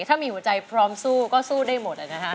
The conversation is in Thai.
อยู่ใจพร้อมสู้ก็สู้ได้หมดนะฮะ